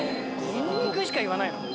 「ニンニク」しか言わないの？